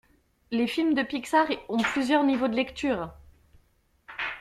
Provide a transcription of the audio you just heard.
Les films de pixar ont plusieurs niveaux de lecture.